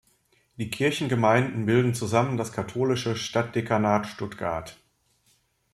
Die Kirchengemeinden bilden zusammen das Katholische Stadtdekanat Stuttgart.